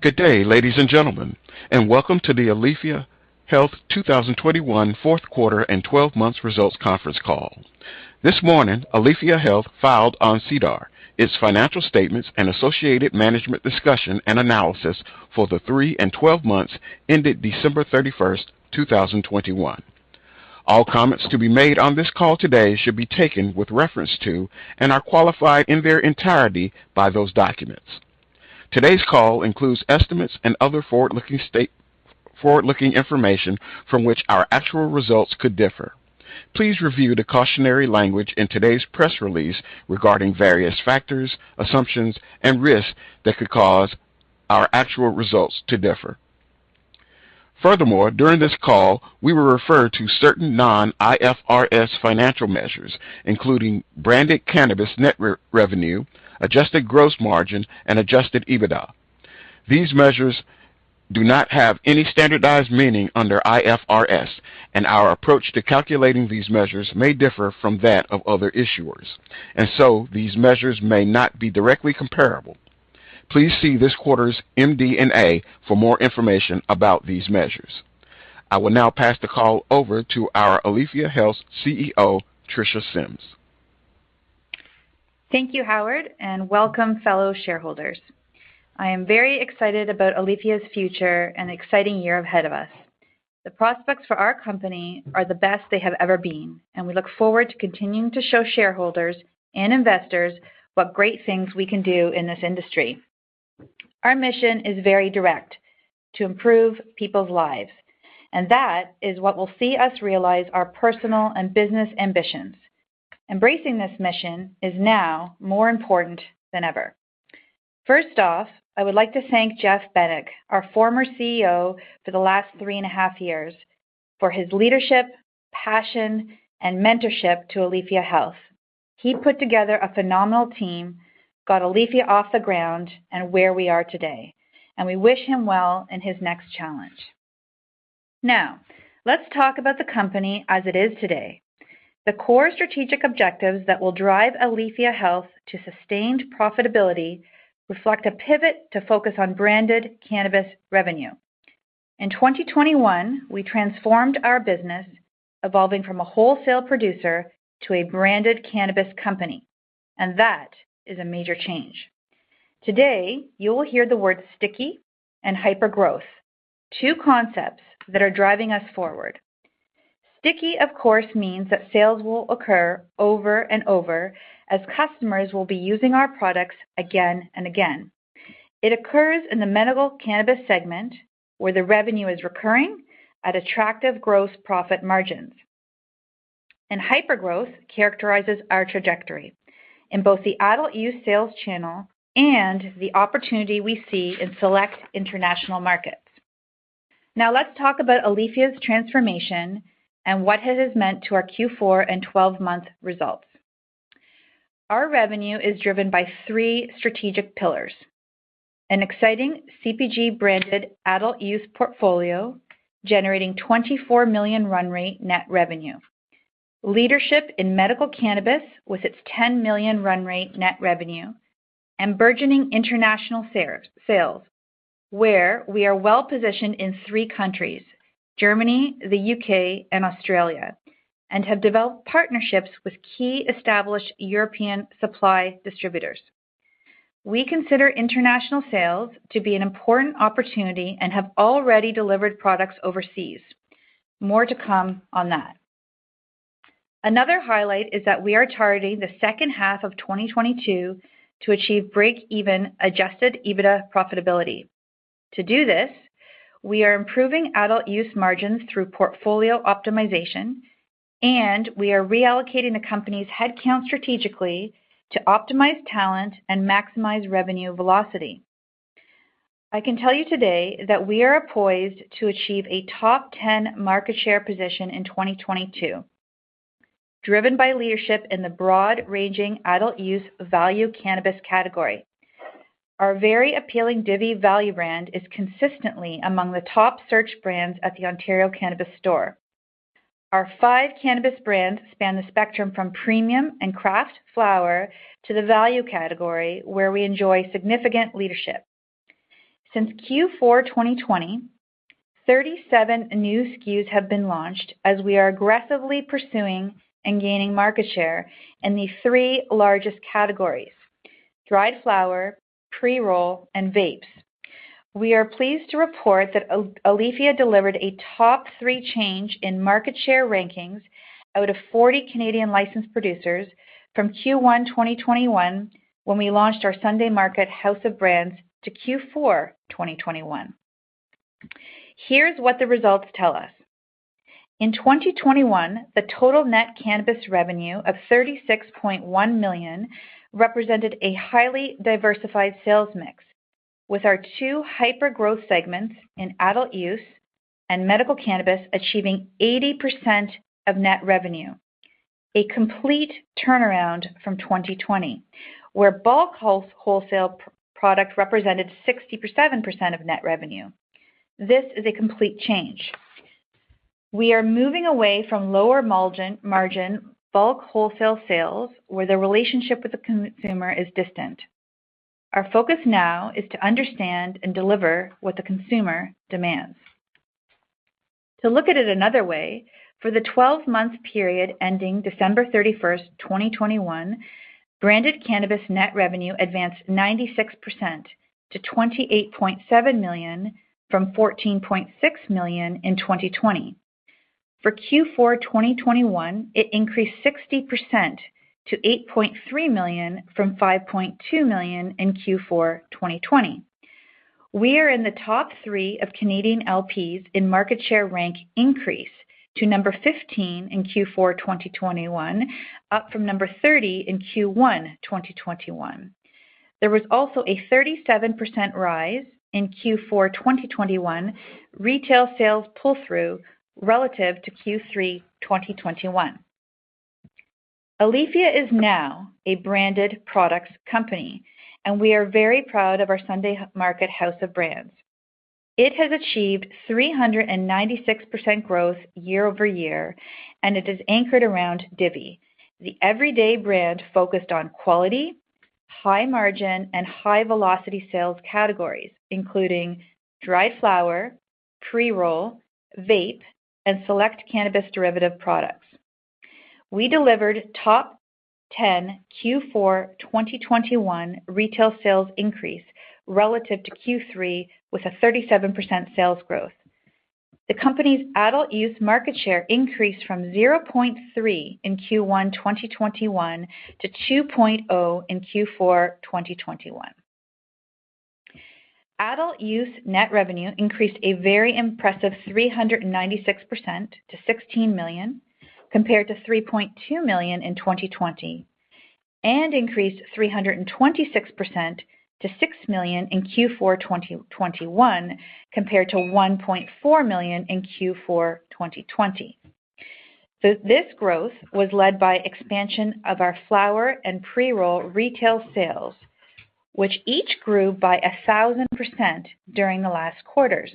Good day, ladies and gentlemen, and welcome to the Aleafia Health 2021 fourth quarter and 12 months Results Conference Call. This morning, Aleafia Health filed on SEDAR its financial statements and associated management discussion and analysis for the three and 12 months ended December 31st, 2021. All comments to be made on this call today should be taken with reference to and are qualified in their entirety by those documents. Today's call includes estimates and other forward-looking information from which our actual results could differ. Please review the cautionary language in today's press release regarding various factors, assumptions, and risks that could cause our actual results to differ. Furthermore, during this call, we will refer to certain non-IFRS financial measures, including branded cannabis net revenue, adjusted gross margin, and adjusted EBITDA. These measures do not have any standardized meaning under IFRS, and our approach to calculating these measures may differ from that of other issuers, and so these measures may not be directly comparable. Please see this quarter's MD&A for more information about these measures. I will now pass the call over to our Aleafia Health's CEO, Tricia Symmes. Thank you, Howard, and welcome fellow shareholders. I am very excited about Aleafia's future and exciting year ahead of us. The prospects for our company are the best they have ever been, and we look forward to continuing to show shareholders and investors what great things we can do in this industry. Our mission is very direct, to improve people's lives, and that is what will see us realize our personal and business ambitions. Embracing this mission is now more important than ever. First off, I would like to thank Geoffrey Benic, our former CEO for the last three and a half years, for his leadership, passion, and mentorship to Aleafia Health. He put together a phenomenal team, got Aleafia off the ground and where we are today, and we wish him well in his next challenge. Now, let's talk about the company as it is today. The core strategic objectives that will drive Aleafia Health to sustained profitability reflect a pivot to focus on branded cannabis revenue. In 2021, we transformed our business, evolving from a wholesale producer to a branded cannabis company, and that is a major change. Today, you will hear the word Sticky and Hypergrowth, two concepts that are driving us forward. Sticky, of course, means that sales will occur over and over as customers will be using our products again and again. It occurs in the medical cannabis segment, where the revenue is recurring at attractive gross profit margins. Hypergrowth characterizes our trajectory in both the adult use sales channel and the opportunity we see in select international markets. Now, let's talk about Aleafia's transformation and what it has meant to our Q4 and 12-month results. Our revenue is driven by three strategic pillars, an exciting CPG-branded adult use portfolio generating 24 million run rate net revenue, leadership in medical cannabis with its 10 million run rate net revenue, and burgeoning international sales, where we are well-positioned in three countries, Germany, the U.K., and Australia, and have developed partnerships with key established European supply distributors. We consider international sales to be an important opportunity and have already delivered products overseas. More to come on that. Another highlight is that we are targeting the second half of 2022 to achieve break-even adjusted EBITDA profitability. To do this, we are improving adult use margins through portfolio optimization, and we are reallocating the company's headcount strategically to optimize talent and maximize revenue velocity. I can tell you today that we are poised to achieve a top 10 market share position in 2022, driven by leadership in the broad-ranging adult use value cannabis category. Our very appealing Divvy value brand is consistently among the top searched brands at the Ontario Cannabis Store. Our five cannabis brands span the spectrum from premium and craft flower to the value category, where we enjoy significant leadership. Since Q4 2020, 37 new SKUs have been launched as we are aggressively pursuing and gaining market share in the three largest categories, dried flower, pre-roll, and vapes. We are pleased to report that Aleafia delivered a top three change in market share rankings out of 40 Canadian licensed producers from Q1 2021 when we launched our Sunday Market House of Brands to Q4 2021. Here's what the results tell us. In 2021, the total net cannabis revenue of 36.1 million represented a highly diversified sales mix, with our two hypergrowth segments in adult use and medical cannabis achieving 80% of net revenue, a complete turnaround from 2020, where bulk wholesale product represented 67% of net revenue. This is a complete change. We are moving away from lower margin bulk wholesale sales where the relationship with the consumer is distant. Our focus now is to understand and deliver what the consumer demands. To look at it another way, for the 12-month period ending December 31st, 2021, branded cannabis net revenue advanced 96% to 28.7 million from 14.6 million in 2020. For Q4 2021, it increased 60% to 8.3 million from 5.2 million in Q4 2020. We are in the top three of Canadian LPs in market share rank increase to 15 in Q4 2021, up from 30 in Q1 2021. There was also a 37% rise in Q4 2021 retail sales pull-through relative to Q3 2021. Aleafia is now a branded products company, and we are very proud of our Sunday Market House of Brands. It has achieved 396% growth year-over-year, and it is anchored around Divvy, the everyday brand focused on quality, high margin, and high velocity sales categories, including dried flower, pre-roll, vape, and select cannabis derivative products. We delivered top 10 Q4 2021 retail sales increase relative to Q3 with a 37% sales growth. The company's adult use market share increased from 0.3% in Q1 2021 to 2% in Q4 2021. Adult use net revenue increased a very impressive 396% to 16 million, compared to 3.2 million in 2020, and increased 326% to 6 million in Q4 2021, compared to 1.4 million in Q4 2020. This growth was led by expansion of our flower and pre-roll retail sales, which each grew by 1,000% during the last quarters.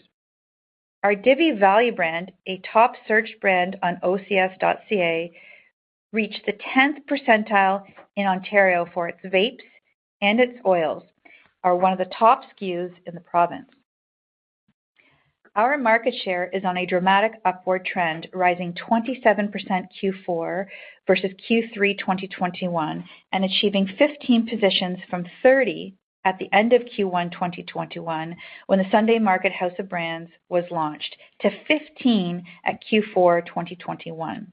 Our Divvy value brand, a top search brand on ocs.ca, reached the 10th percentile in Ontario for its vapes and its oils are one of the top SKUs in the province. Our market share is on a dramatic upward trend, rising 27% Q4 versus Q3 2021, and achieving 15 positions from 30 at the end of Q1 2021, when the Sunday Market House of Brands was launched, to 15 at Q4 2021.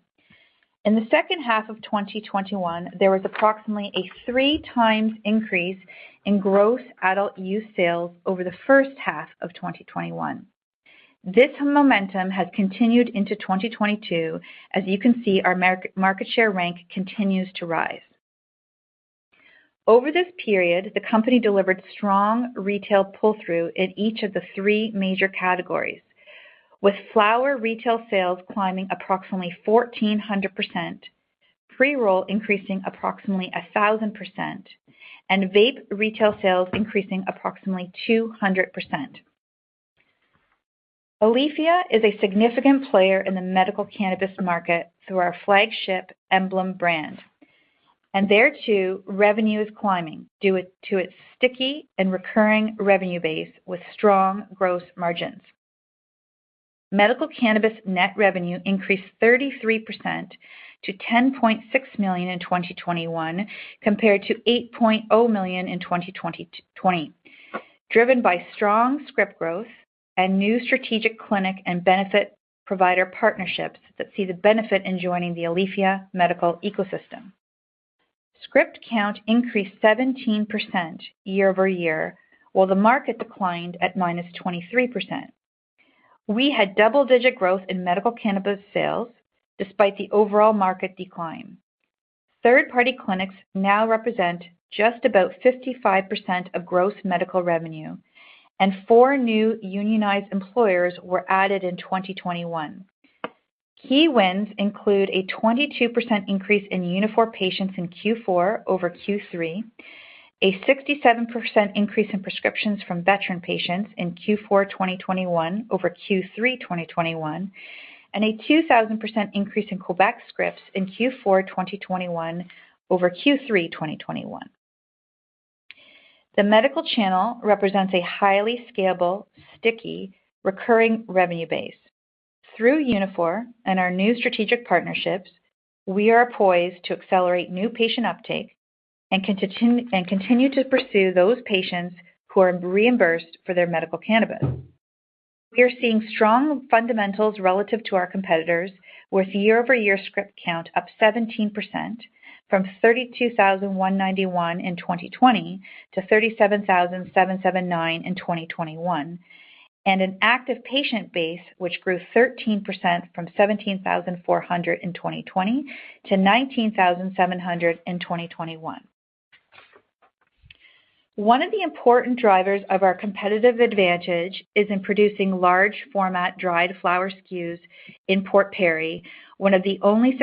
In the second half of 2021, there was approximately a three times increase in gross adult use sales over the first half of 2021. This momentum has continued into 2022. As you can see, our market share rank continues to rise. Over this period, the company delivered strong retail pull-through in each of the three major categories, with flower retail sales climbing approximately 1,400%, pre-roll increasing approximately 1,000%, and vape retail sales increasing approximately 200%. Aleafia is a significant player in the medical cannabis market through our flagship Emblem brand, and there, too, revenue is climbing due to its sticky and recurring revenue base with strong gross margins. Medical cannabis net revenue increased 33% to 10.6 million in 2021, compared to 8.0 million in 2020, driven by strong script growth and new strategic clinic and benefit provider partnerships that see the benefit in joining the Aleafia medical ecosystem. Script count increased 17% year-over-year, while the market declined at -23%. We had double-digit growth in medical cannabis sales despite the overall market decline. Third-party clinics now represent just about 55% of gross medical revenue, and four new unionized employers were added in 2021. Key wins include a 22% increase in Unifor patients in Q4 over Q3, a 67% increase in prescriptions from veteran patients in Q4, 2021 over Q3, 2021, and a 2,000% increase in Quebec scripts in Q4, 2021 over Q3, 2021. The medical channel represents a highly scalable, sticky, recurring revenue base. Through Unifor and our new strategic partnerships, we are poised to accelerate new patient uptake and continue to pursue those patients who are reimbursed for their medical cannabis. We are seeing strong fundamentals relative to our competitors with year-over-year script count up 17% from 32,191 in 2020 to 37,779 in 2021, and an active patient base which grew 13% from 17,400 in 2020 to 19,700 in 2021. One of the important drivers of our competitive advantage is in producing large format dried flower SKUs in Port Perry, one of the only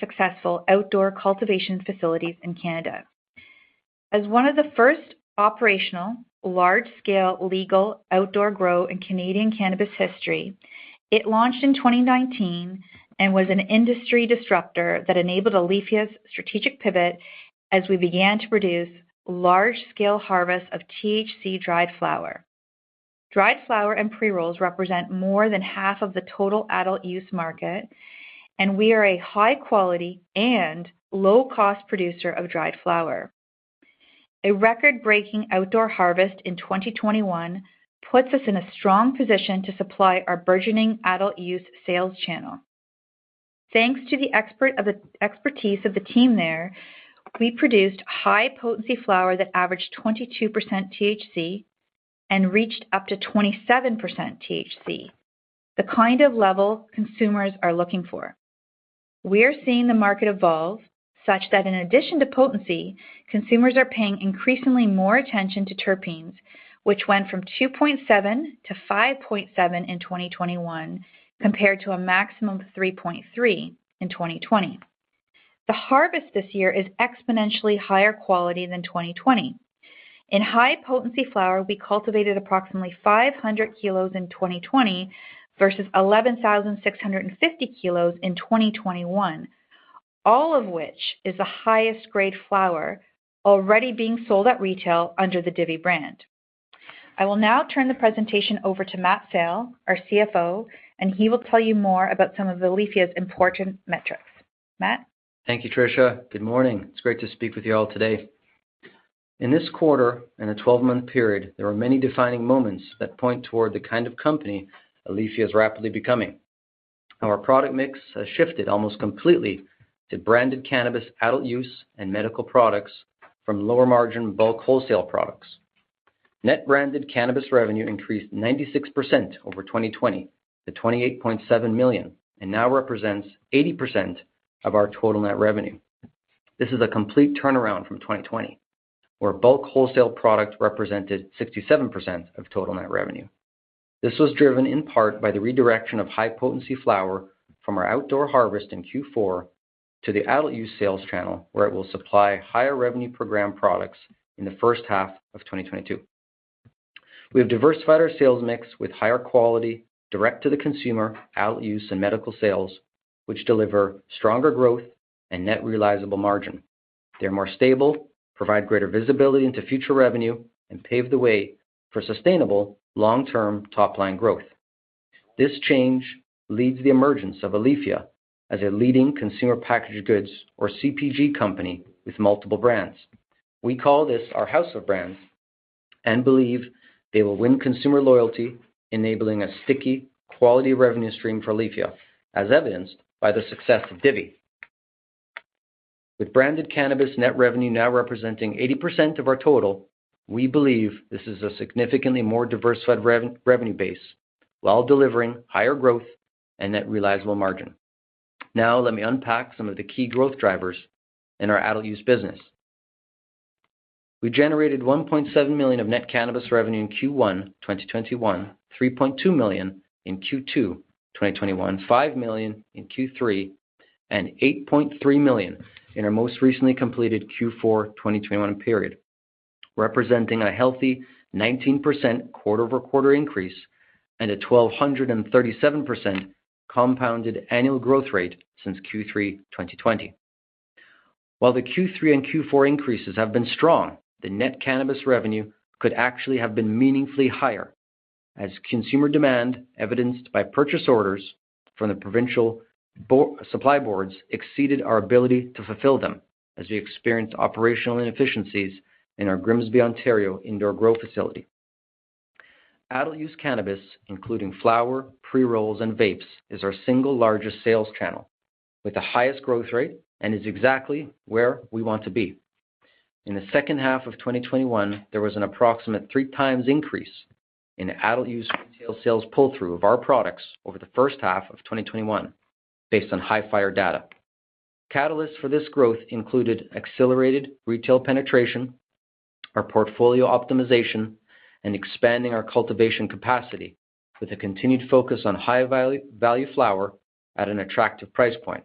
successful outdoor cultivation facilities in Canada. As one of the first operational large-scale legal outdoor grow in Canadian cannabis history, it launched in 2019 and was an industry disruptor that enabled Aleafia's strategic pivot as we began to produce large-scale harvest of THC dried flower. Dried flower and pre-rolls represent more than half of the total adult use market, and we are a high-quality and low-cost producer of dried flower. A record-breaking outdoor harvest in 2021 puts us in a strong position to supply our burgeoning adult use sales channel. Thanks to the expertise of the team there, we produced high-potency flower that averaged 22% THC and reached up to 27% THC, the kind of level consumers are looking for. We are seeing the market evolve such that in addition to potency, consumers are paying increasingly more attention to terpenes, which went from 2.7 to 5.7 in 2021 compared to a maximum of 3.3 in 2020. The harvest this year is exponentially higher quality than 2020. In high-potency flower, we cultivated approximately 500 kilos in 2020 versus 11,650 kilos in 2021, all of which is the highest-grade flower already being sold at retail under the Divvy brand. I will now turn the presentation over to Matt Sale, our CFO, and he will tell you more about some of Aleafia's important metrics. Matt. Thank you, Tricia. Good morning. It's great to speak with you all today. In this quarter and a twelve-month period, there were many defining moments that point toward the kind of company Aleafia is rapidly becoming. Our product mix has shifted almost completely to branded cannabis adult use and medical products from lower-margin bulk wholesale products. Net-branded cannabis revenue increased 96% over 2020 to 28.7 million and now represents 80% of our total net revenue. This is a complete turnaround from 2020, where bulk wholesale product represented 67% of total net revenue. This was driven in part by the redirection of high potency flower from our outdoor harvest in Q4 to the adult use sales channel, where it will supply higher revenue program products in the first half of 2022. We have diversified our sales mix with higher quality direct-to-the-consumer adult use and medical sales, which deliver stronger growth and net realizable margin. They're more stable, provide greater visibility into future revenue, and pave the way for sustainable long-term top-line growth. This change leads the emergence of Aleafia as a leading consumer packaged goods, or CPG, company with multiple brands. We call this our house of brands and believe they will win consumer loyalty, enabling a sticky quality revenue stream for Aleafia, as evidenced by the success of Divvy. With branded cannabis net revenue now representing 80% of our total, we believe this is a significantly more diversified revenue base while delivering higher growth and net realizable margin. Now let me unpack some of the key growth drivers in our adult use business. We generated 1.7 million of net cannabis revenue in Q1 2021, 3.2 million in Q2 2021, 5 million in Q3, and 8.3 million in our most recently completed Q4 2021 period, representing a healthy 19% quarter-over-quarter increase and a 1,237% compounded annual growth rate since Q3 2020. While the Q3 and Q4 increases have been strong, the net cannabis revenue could actually have been meaningfully higher as consumer demand evidenced by purchase orders from the provincial supply boards exceeded our ability to fulfill them, as we experienced operational inefficiencies in our Grimsby, Ontario, indoor grow facility. Adult use cannabis, including flower, pre-rolls, and vapes, is our single largest sales channel with the highest growth rate and is exactly where we want to be. In the second half of 2021, there was an approximate three times increase in adult use retail sales pull-through of our products over the first half of 2021 based on Hifyre data. Catalysts for this growth included accelerated retail penetration, our portfolio optimization, and expanding our cultivation capacity with a continued focus on high value flower at an attractive price point.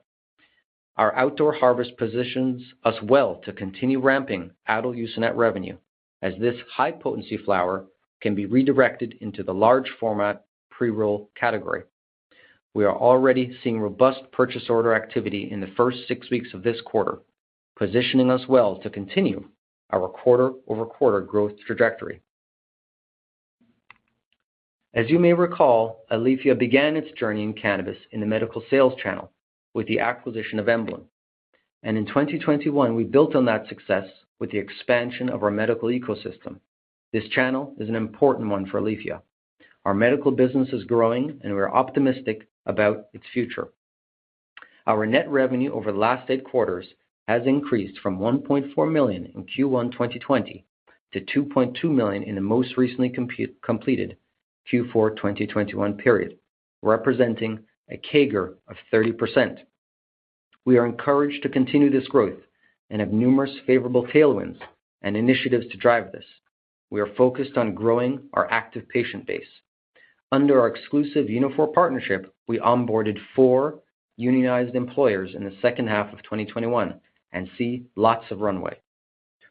Our outdoor harvest positions us well to continue ramping adult use net revenue as this high potency flower can be redirected into the large format pre-roll category. We are already seeing robust purchase order activity in the first six weeks of this quarter, positioning us well to continue our quarter-over-quarter growth trajectory. As you may recall, Aleafia began its journey in cannabis in the medical sales channel with the acquisition of Emblem. In 2021, we built on that success with the expansion of our medical ecosystem. This channel is an important one for Aleafia. Our medical business is growing, and we're optimistic about its future. Our net revenue over the last eight quarters has increased from 1.4 million in Q1 2020 to 2.2 million in the most recently completed Q4 2021 period, representing a CAGR of 30%. We are encouraged to continue this growth and have numerous favorable tailwinds and initiatives to drive this. We are focused on growing our active patient base. Under our exclusive Unifor partnership, we onboarded four unionized employers in the second half of 2021 and see lots of runway.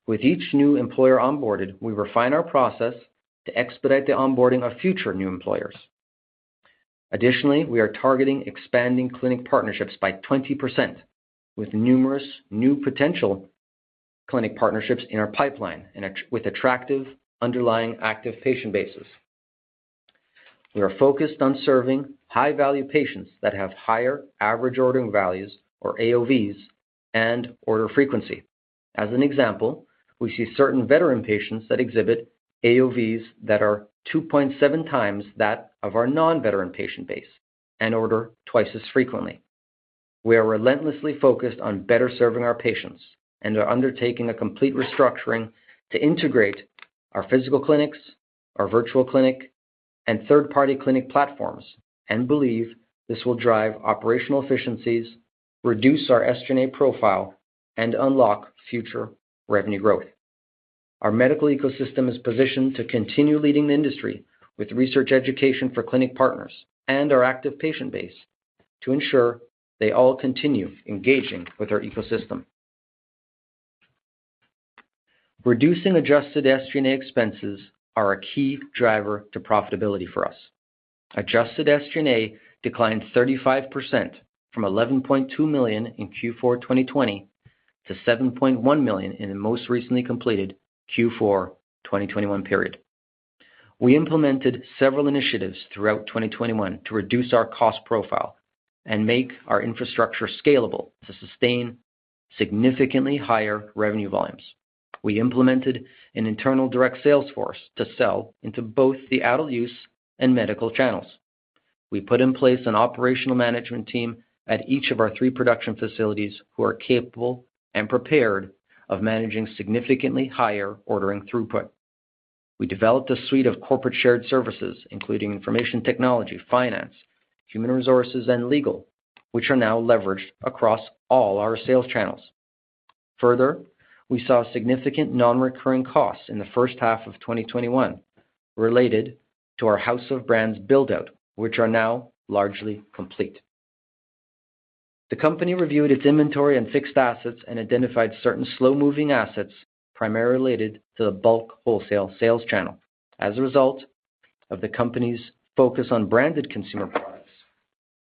With each new employer onboarded, we refine our process to expedite the onboarding of future new employers. Additionally, we are targeting expanding clinic partnerships by 20% with numerous new potential clinic partnerships in our pipeline and with attractive underlying active patient bases. We are focused on serving high value patients that have higher average ordering values or AOVs and order frequency. As an example, we see certain veteran patients that exhibit AOVs that are 2.7 times that of our non-veteran patient base and order twice as frequently. We are relentlessly focused on better serving our patients and are undertaking a complete restructuring to integrate our physical clinics, our virtual clinic, and third-party clinic platforms and believe this will drive operational efficiencies, reduce our SG&A profile, and unlock future revenue growth. Our medical ecosystem is positioned to continue leading the industry with research education for clinic partners and our active patient base to ensure they all continue engaging with our ecosystem. Reducing adjusted SG&A expenses are a key driver to profitability for us. Adjusted SG&A declined 35% from 11.2 million in Q4 2020 to 7.1 million in the most recently completed Q4 2021 period. We implemented several initiatives throughout 2021 to reduce our cost profile and make our infrastructure scalable to sustain significantly higher revenue volumes. We implemented an internal direct sales force to sell into both the adult use and medical channels. We put in place an operational management team at each of our three production facilities who are capable and prepared of managing significantly higher ordering throughput. We developed a suite of corporate shared services, including information technology, finance, human resources, and legal, which are now leveraged across all our sales channels. Further, we saw significant non-recurring costs in the first half of 2021 related to our house of brands build-out, which are now largely complete. The company reviewed its inventory and fixed assets and identified certain slow-moving assets primarily related to the bulk wholesale sales channel. As a result of the company's focus on branded consumer products,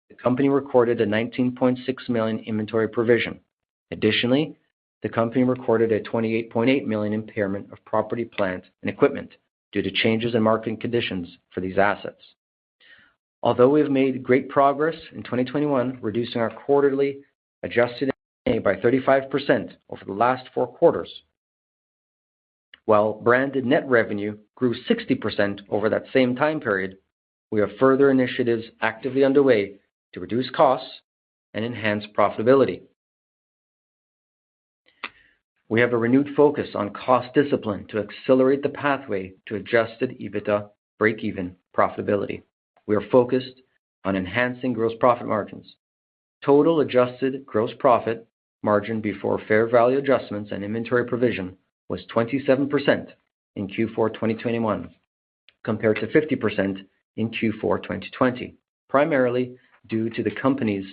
the company recorded a 19.6 million inventory provision. Additionally, the company recorded a 28.8 million impairment of property, plant, and equipment due to changes in marketing conditions for these assets. Although we have made great progress in 2021, reducing our quarterly adjusted SG&A by 35% over the last four quarters, while branded net revenue grew 60% over that same time period, we have further initiatives actively underway to reduce costs and enhance profitability. We have a renewed focus on cost discipline to accelerate the pathway to adjusted EBITDA breakeven profitability. We are focused on enhancing gross profit margins. Total adjusted gross profit margin before fair value adjustments and inventory provision was 27% in Q4 2021 compared to 50% in Q4 2020, primarily due to the company's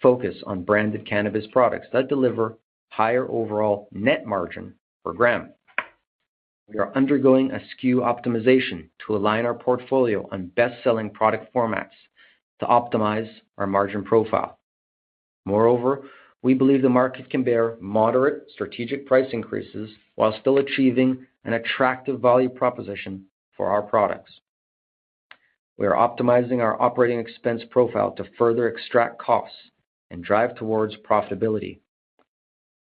focus on branded cannabis products that deliver higher overall net margin per gram. We are undergoing a SKU optimization to align our portfolio on best-selling product formats to optimize our margin profile. Moreover, we believe the market can bear moderate strategic price increases while still achieving an attractive value proposition for our products. We are optimizing our operating expense profile to further extract costs and drive towards profitability.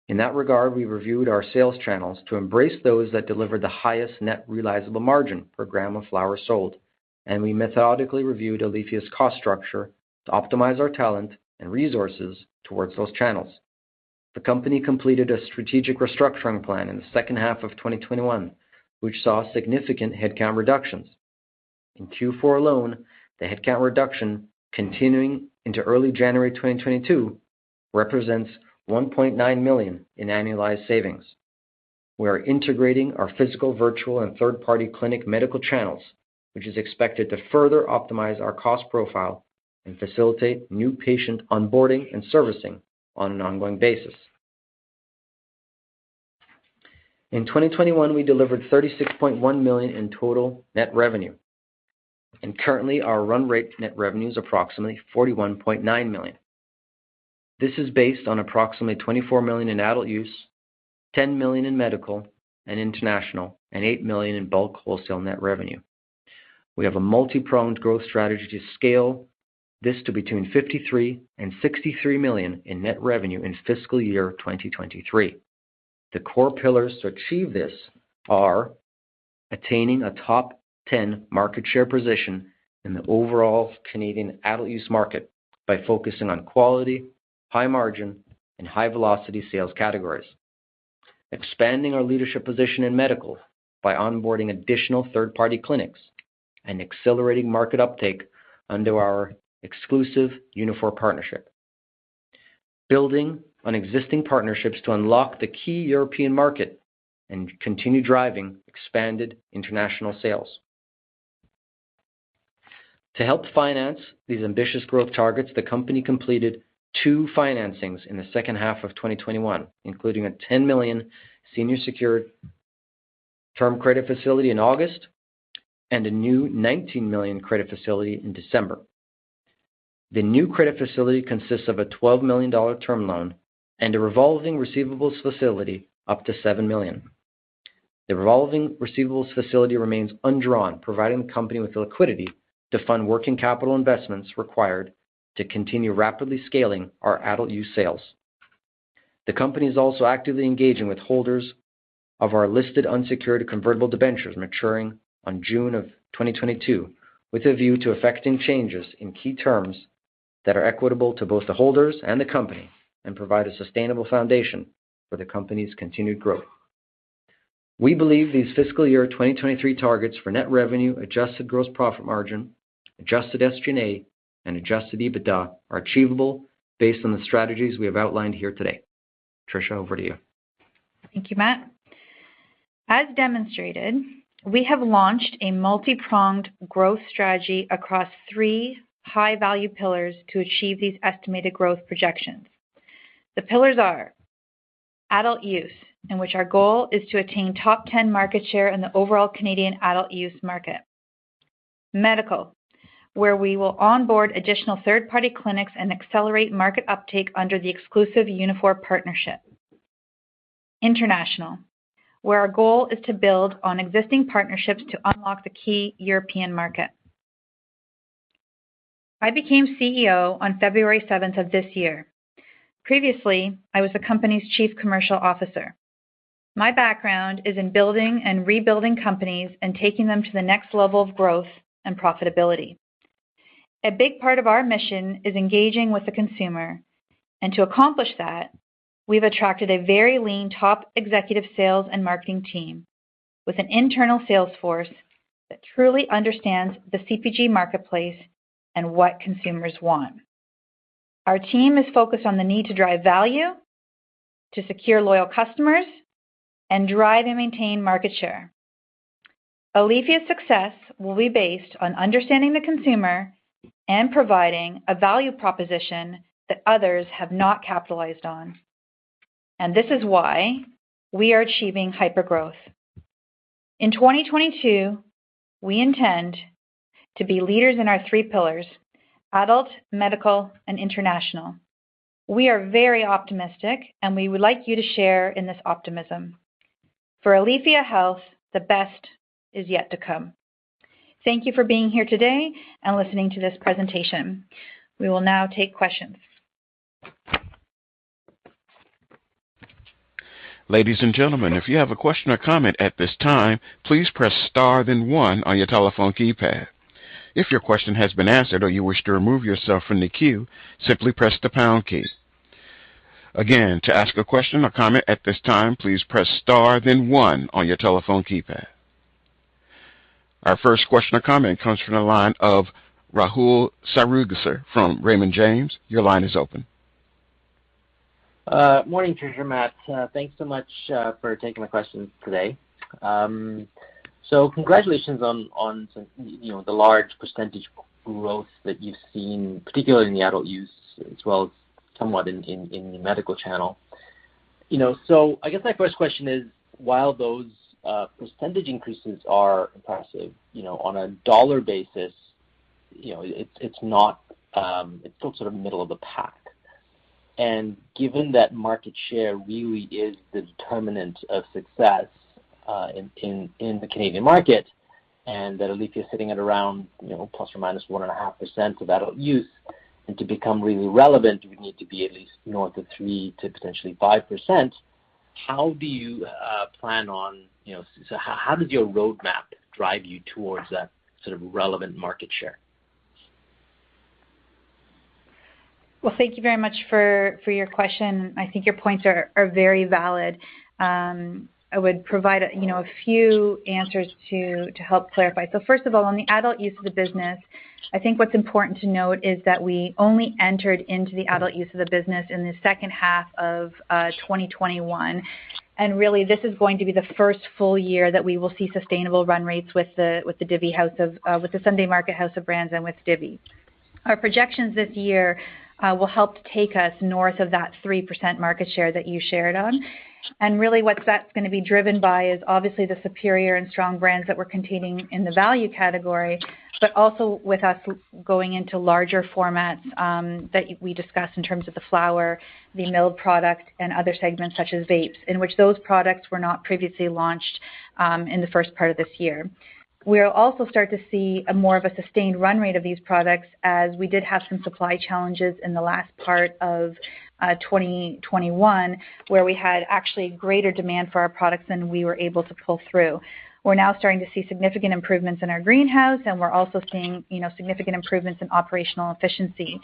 In that regard, we reviewed our sales channels to embrace those that deliver the highest net realizable margin per gram of flower sold, and we methodically reviewed Aleafia's cost structure to optimize our talent and resources towards those channels. The company completed a strategic restructuring plan in the second half of 2021, which saw significant headcount reductions. In Q4 alone, the headcount reduction continuing into early January 2022 represents 1.9 million in annualized savings. We are integrating our physical, virtual, and third-party clinic medical channels, which is expected to further optimize our cost profile and facilitate new patient onboarding and servicing on an ongoing basis. In 2021, we delivered 36.1 million in total net revenue, and currently, our run rate net revenue is approximately 41.9 million. This is based on approximately 24 million in adult use, 10 million in medical and international, and 8 million in bulk wholesale net revenue. We have a multi-pronged growth strategy to scale this to between 53 million and 63 million in net revenue in fiscal year 2023. The core pillars to achieve this are attaining a top ten market share position in the overall Canadian adult use market by focusing on quality, high margin, and high-velocity sales categories. Expanding our leadership position in medical by onboarding additional third-party clinics and accelerating market uptake under our exclusive Unifor partnership. Building on existing partnerships to unlock the key European market and continue driving expanded international sales. To help finance these ambitious growth targets, the company completed two financings in the second half of 2021, including a 10 million senior secured term credit facility in August and a new 19 million credit facility in December. The new credit facility consists of a 12 million dollar term loan and a revolving receivables facility up to 7 million. The revolving receivables facility remains undrawn, providing the company with the liquidity to fund working capital investments required to continue rapidly scaling our adult use sales. The company is also actively engaging with holders of our listed unsecured convertible debentures maturing on June of 2022, with a view to effecting changes in key terms that are equitable to both the holders and the company and provide a sustainable foundation for the company's continued growth. We believe these fiscal year 2023 targets for net revenue, adjusted gross profit margin, adjusted SG&A and adjusted EBITDA are achievable based on the strategies we have outlined here today. Tricia, over to you. Thank you, Matt. As demonstrated, we have launched a multi-pronged growth strategy across three high value pillars to achieve these estimated growth projections. The pillars are adult use, in which our goal is to attain top 10 market share in the overall Canadian adult use market. Medical, where we will onboard additional third-party clinics and accelerate market uptake under the exclusive Unifor partnership. International, where our goal is to build on existing partnerships to unlock the key European market. I became CEO on February 7th of this year. Previously, I was the company's chief commercial officer. My background is in building and rebuilding companies and taking them to the next level of growth and profitability. A big part of our mission is engaging with the consumer. To accomplish that, we've attracted a very lean top executive sales and marketing team with an internal sales force that truly understands the CPG marketplace and what consumers want. Our team is focused on the need to drive value, to secure loyal customers, and drive and maintain market share. Aleafia's success will be based on understanding the consumer and providing a value proposition that others have not capitalized on. This is why we are achieving hypergrowth. In 2022, we intend to be leaders in our three pillars adult, medical, and international. We are very optimistic, and we would like you to share in this optimism. For Aleafia Health, the best is yet to come. Thank you for being here today and listening to this presentation. We will now take questions. Ladies and gentlemen, if you have a question or comment at this time, please press star then one on your telephone keypad. If your question has been answered or you wish to remove yourself from the queue, simply press the pound key. Again, to ask a question or comment at this time, please press star then one on your telephone keypad. Our first question or comment comes from the line of Rahul Sarugaser from Raymond James. Your line is open. Morning, Tricia and Matt. Thanks so much for taking my questions today. So congratulations on you know the large percentage growth that you've seen, particularly in the adult use as well as somewhat in the medical channel. You know, so I guess my first question is, while those percentage increases are impressive, you know, on a dollar basis, you know, it's not, it's still sort of middle of the pack. Given that market share really is the determinant of success in the Canadian market, and that Aleafia is sitting at around, you know, ±1.5% of adult use, and to become really relevant, you would need to be at least north of 3%-5%. How do you plan on you know...How does your roadmap drive you toward that sort of relevant market share? Well, thank you very much for your question. I think your points are very valid. I would provide, you know, a few answers to help clarify. First of all, on the adult use of the business, I think what's important to note is that we only entered into the adult use of the business in the second half of 2021. Really this is going to be the first full year that we will see sustainable run rates with the Sunday Market House of Brands and with Divvy. Our projections this year will help take us north of that 3% market share that you shared on. Really what that's going to be driven by is obviously the superior and strong brands that we're contending in the value category, but also with us going into larger formats, that we discussed in terms of the flower, the milled product and other segments such as vapes, in which those products were not previously launched, in the first part of this year. We'll also start to see a more of a sustained run rate of these products as we did have some supply challenges in the last part of 2021, where we had actually greater demand for our products than we were able to pull through. We're now starting to see significant improvements in our greenhouse, and we're also seeing, you know, significant improvements in operational efficiency.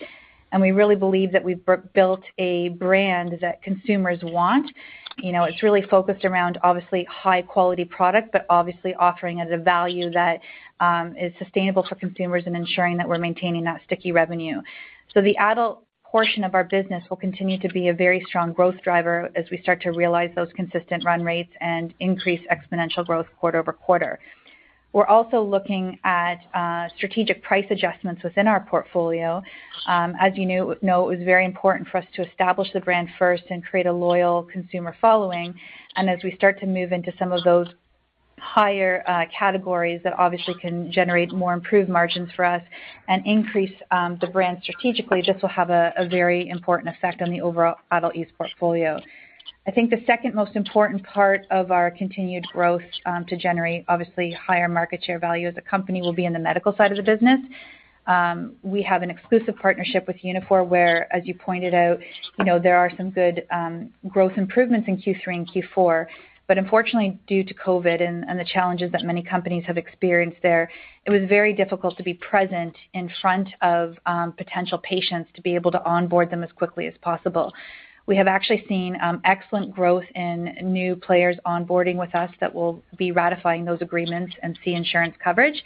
We really believe that we've built a brand that consumers want. You know, it's really focused around obviously high-quality product, but obviously offering at a value that is sustainable for consumers and ensuring that we're maintaining that sticky revenue. The adult use portion of our business will continue to be a very strong growth driver as we start to realize those consistent run rates and increase exponential growth quarter-over-quarter. We're also looking at strategic price adjustments within our portfolio. As you know, it was very important for us to establish the brand first and create a loyal consumer following. As we start to move into some of those higher categories that obviously can generate more improved margins for us and increase the brand strategically just will have a very important effect on the overall adult use portfolio. I think the second most important part of our continued growth, to generate obviously higher market share value as a company will be in the medical side of the business. We have an exclusive partnership with Unifor, where, as you pointed out, you know, there are some good, growth improvements in Q3 and Q4. Unfortunately, due to COVID and the challenges that many companies have experienced there, it was very difficult to be present in front of, potential patients to be able to onboard them as quickly as possible. We have actually seen, excellent growth in new players onboarding with us that will be ratifying those agreements and see insurance coverage.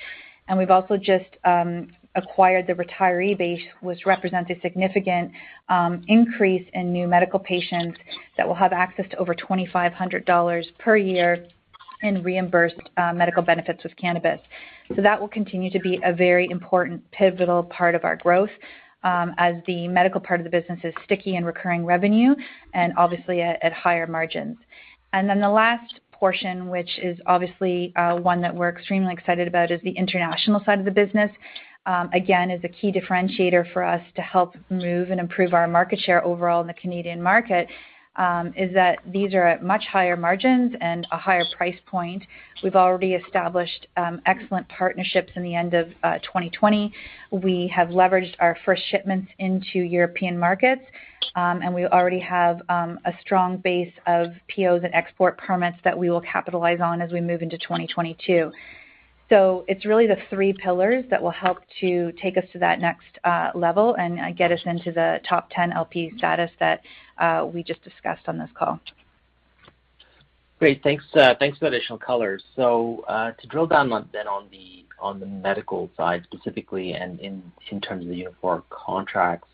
We've also just acquired the retiree base, which represents a significant increase in new medical patients that will have access to over 2,500 dollars per year in reimbursed medical benefits with cannabis. That will continue to be a very important pivotal part of our growth, as the medical part of the business is sticky and recurring revenue and obviously at higher margins. Then the last portion, which is obviously one that we're extremely excited about, is the international side of the business, again, is a key differentiator for us to help move and improve our market share overall in the Canadian market, is that these are at much higher margins and a higher price point. We've already established excellent partnerships in the end of 2020. We have leveraged our first shipments into European markets, and we already have a strong base of POs and export permits that we will capitalize on as we move into 2022. It's really the three pillars that will help to take us to that next level and get us into the top 10 LP status that we just discussed on this call. Great. Thanks. Thanks for the additional color. To drill down then on the medical side specifically and in terms of the Unifor contracts,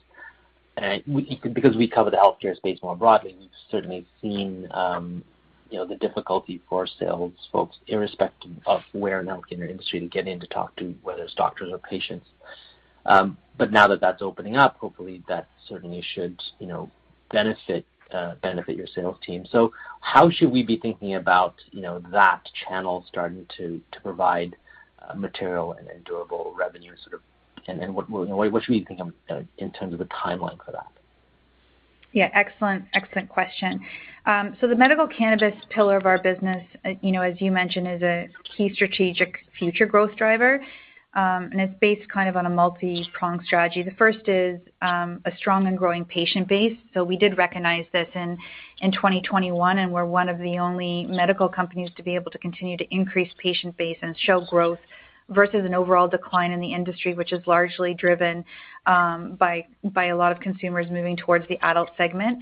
because we cover the healthcare space more broadly, we've certainly seen, you know, the difficulty for sales folks irrespective of where in the healthcare industry to get in to talk to, whether it's doctors or patients. Now that that's opening up, hopefully that certainly should, you know, benefit your sales team. How should we be thinking about, you know, that channel starting to provide material and endurable revenue sort of? What should we think in terms of the timeline for that? Yeah. Excellent. Excellent question. The medical cannabis pillar of our business, you know, as you mentioned, is a key strategic future growth driver, and it's based kind of on a multipronged strategy. The first is a strong and growing patient base. We did recognize this in 2021, and we're one of the only medical companies to be able to continue to increase patient base and show growth versus an overall decline in the industry, which is largely driven by a lot of consumers moving towards the adult segment.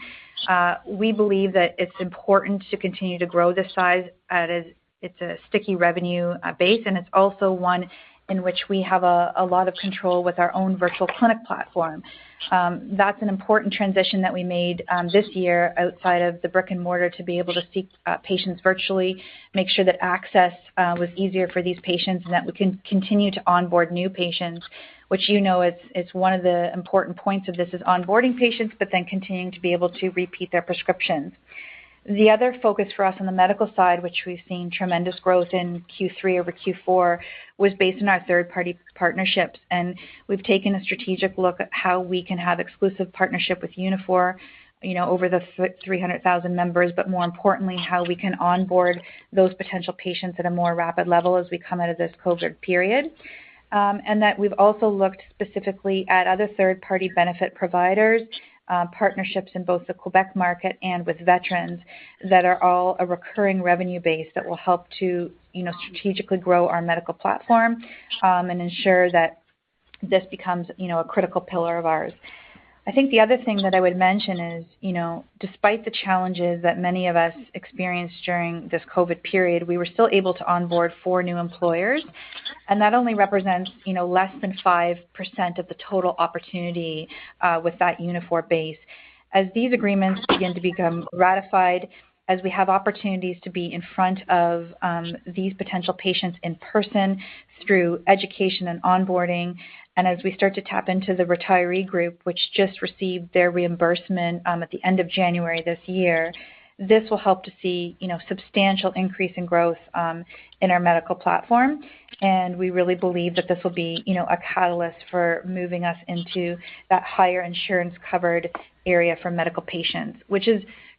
We believe that it's important to continue to grow this size as it's a sticky revenue base, and it's also one in which we have a lot of control with our own virtual clinic platform. That's an important transition that we made this year outside of the brick-and-mortar to be able to see patients virtually, make sure that access was easier for these patients and that we can continue to onboard new patients, which, you know, is one of the important points of this is onboarding patients but then continuing to be able to repeat their prescriptions. The other focus for us on the medical side, which we've seen tremendous growth in Q3 over Q4, was based on our third-party partnerships. We've taken a strategic look at how we can have exclusive partnership with Unifor, you know, over the 300,000 members, but more importantly, how we can onboard those potential patients at a more rapid level as we come out of this COVID period. that we've also looked specifically at other third-party benefit providers, partnerships in both the Quebec market and with veterans that are all a recurring revenue base that will help to, you know, strategically grow our medical platform, and ensure that this becomes, you know, a critical pillar of ours. I think the other thing that I would mention is, you know, despite the challenges that many of us experienced during this COVID period, we were still able to onboard four new employers, and that only represents, you know, less than 5% of the total opportunity, with that Unifor base. As these agreements begin to become ratified, as we have opportunities to be in front of these potential patients in person through education and onboarding, and as we start to tap into the retiree group, which just received their reimbursement at the end of January this year, this will help to see, you know, substantial increase in growth in our medical platform. We really believe that this will be, you know, a catalyst for moving us into that higher insurance-covered area for medical patients, which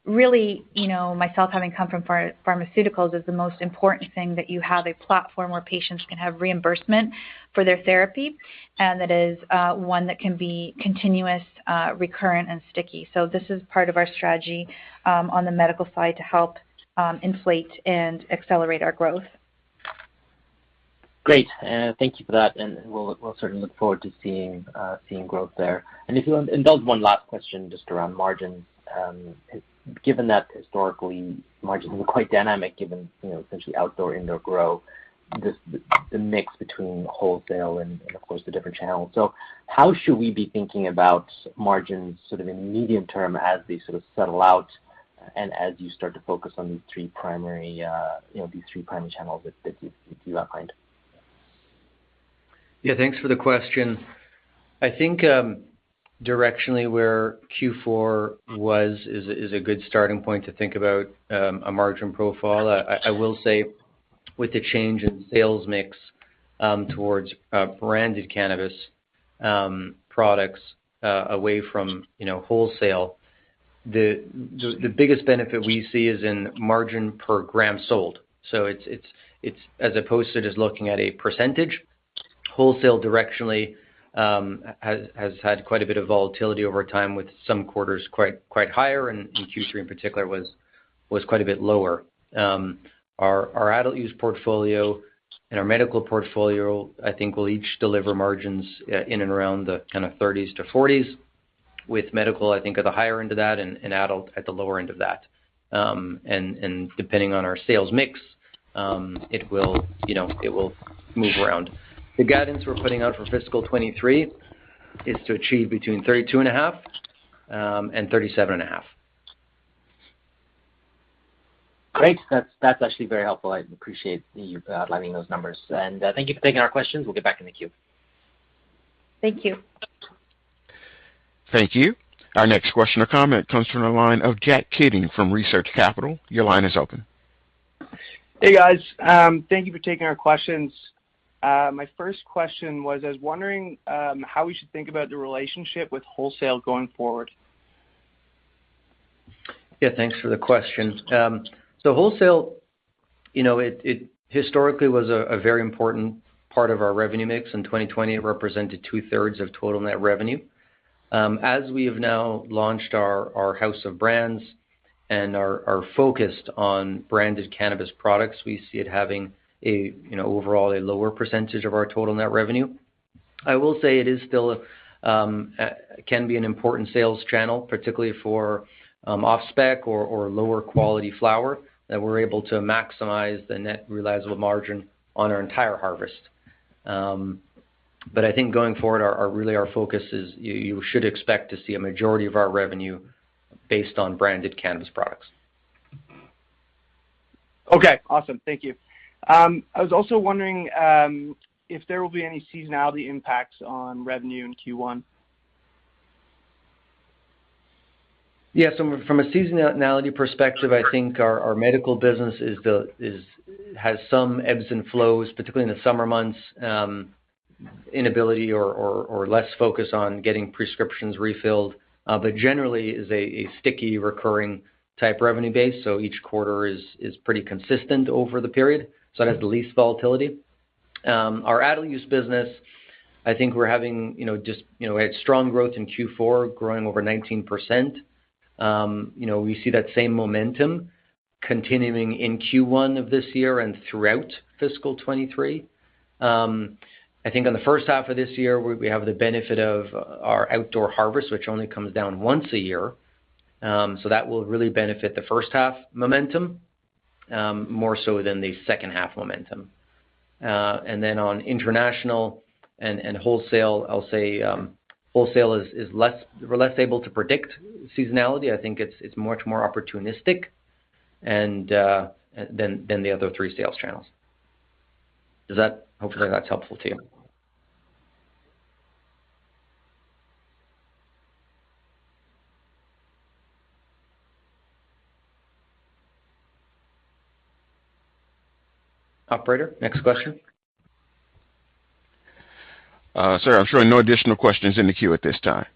is really, you know, myself having come from pharmaceuticals, is the most important thing that you have a platform where patients can have reimbursement for their therapy and that is one that can be continuous, recurrent, and sticky. This is part of our strategy on the medical side to help inflate and accelerate our growth. Great. Thank you for that, and we'll certainly look forward to seeing growth there. One last question just around margins, given that historically margins were quite dynamic, you know, essentially outdoor, indoor grow, this the mix between wholesale and of course the different channels. How should we be thinking about margins sort of in medium-term as these sort of settle out. As you start to focus on these three primary, you know, channels that you outlined. Yeah. Thanks for the question. I think directionally, where Q4 was is a good starting point to think about a margin profile. I will say with the change in sales mix towards branded cannabis products away from you know wholesale, the biggest benefit we see is in margin per gram sold. It's as opposed to just looking at a percentage. Wholesale directionally has had quite a bit of volatility over time with some quarters quite higher, and in Q3 in particular was quite a bit lower. Our adult use portfolio and our medical portfolio I think will each deliver margins in and around the kind of 30%-40%, with medical I think at the higher end of that and adult at the lower end of that. Depending on our sales mix, it will, you know, move around. The guidance we're putting out for fiscal 2023 is to achieve between 32.5% and 37.5%. Great. That's actually very helpful. I appreciate you outlining those numbers. Thank you for taking our questions. We'll get back in the queue. Thank you. Thank you. Our next question or comment comes from the line of David Keating from Research Capital. Your line is open. Hey, guys. Thank you for taking our questions. My first question was, I was wondering how we should think about the relationship with wholesale going forward. Yeah, thanks for the question. Wholesale, you know, it historically was a very important part of our revenue mix. In 2020 it represented two-thirds of total net revenue. As we have now launched our house of brands and are focused on branded cannabis products, we see it having, you know, overall a lower percentage of our total net revenue. I will say it is still can be an important sales channel, particularly for off-spec or lower quality flower that we're able to maximize the net realizable margin on our entire harvest. I think going forward, really our focus is you should expect to see a majority of our revenue based on branded cannabis products. Okay, awesome. Thank you. I was also wondering if there will be any seasonality impacts on revenue in Q1. From a seasonality perspective, I think our medical business has some ebbs and flows, particularly in the summer months, less focus on getting prescriptions refilled. But it generally is a sticky recurring type revenue base, so each quarter is pretty consistent over the period, so it has the least volatility. Our adult use business, I think we had strong growth in Q4, growing over 19%. You know, we see that same momentum continuing in Q1 of this year and throughout fiscal 2023. I think on the first half of this year, we have the benefit of our outdoor harvest, which only comes down once a year. That will really benefit the first half momentum, more so than the second half momentum. On international and wholesale, I'll say, wholesale is less able to predict seasonality. I think it's much more opportunistic than the other three sales channels. Hopefully that's helpful to you. Operator, next question. Sir, I'm showing no additional questions in the queue at this time.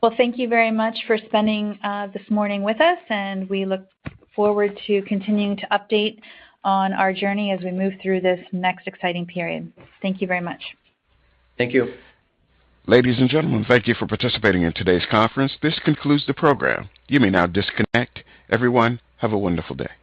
Well, thank you very much for spending this morning with us, and we look forward to continuing to update on our journey as we move through this next exciting period. Thank you very much. Thank you. Ladies and gentlemen, thank you for participating in today's conference. This concludes the program. You may now disconnect. Everyone, have a wonderful day.